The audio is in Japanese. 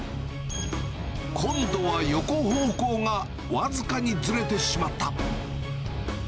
今度は横方向が僅かにずれてしまった。